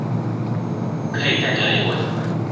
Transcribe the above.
可以在這裡問